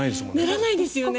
ならないですよね。